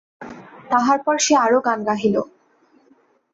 তাহার পর সে আরও গান গাহিল।